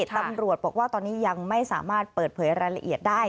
ตำรวจบอกว่าตอนนี้ยังไม่สามารถเปิดเผยรายละเอียดได้